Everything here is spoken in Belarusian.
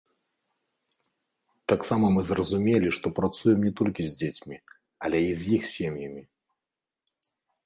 Таксама мы зразумелі, што працуем не толькі з дзецьмі, але і з іх сем'ямі.